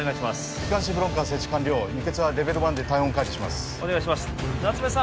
気管支ブロッカー設置完了輸血はレベル１で体温管理しますお願いします夏梅さん